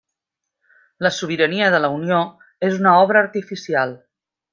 La sobirania de la Unió és una obra artificial.